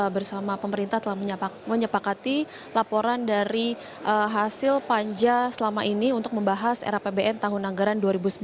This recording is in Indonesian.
bersama pemerintah telah menyepakati laporan dari hasil panja selama ini untuk membahas rapbn tahun anggaran dua ribu sembilan belas